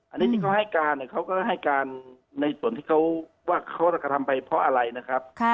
อันนี้ที่เขาให้การเนี่ยเขาก็ให้การในส่วนที่เขาว่าเขากระทำไปเพราะอะไรนะครับ